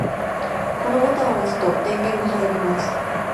このボタンを押すと電源が入ります。